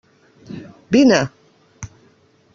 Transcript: Vine!